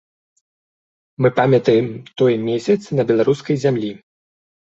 Мы памятаем той месяц на беларускай зямлі.